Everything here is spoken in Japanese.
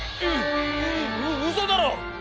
うそだろ？